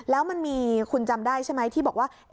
แล้วมันมีคุณจำได้ใช่ไหมที่บอกว่า